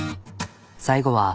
最後は。